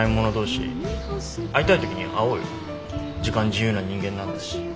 時間自由な人間なんだし。